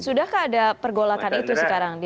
sudahkah ada pergolakan itu sekarang